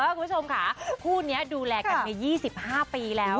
เออคุณผู้ชมค่ะคู่นี้ดูแลกันไหน๒๕ปีแล้วค่ะ